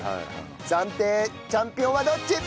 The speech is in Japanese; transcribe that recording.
暫定チャンピオンはどっち！？